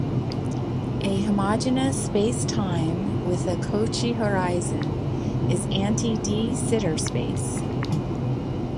A homogeneous space-time with a Cauchy horizon is anti-de Sitter space.